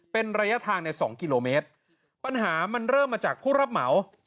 เป็นระยะทางในสองกิโลเมตรปัญหามันเริ่มมาจากผู้รับเหมา